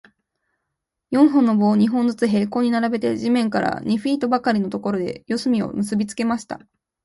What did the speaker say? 四本の棒を、二本ずつ平行に並べて、地面から二フィートばかりのところで、四隅を結びつけました。